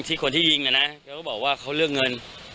คนที่ยิงนะนะเขาก็บอกว่าเขาเลือกเงิน